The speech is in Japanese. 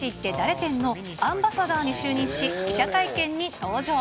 展のアンバサダーに就任し、記者会見に登場。